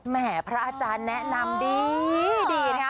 แหมพระอาจารย์แนะนำดีนะคะ